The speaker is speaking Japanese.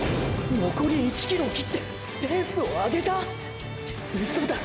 のこり１ｋｍを切ってペースを上げた⁉ウソだろ！